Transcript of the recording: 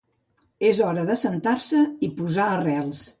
És hora d'assentar-se i posar arrels.